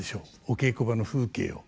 お稽古場の風景を。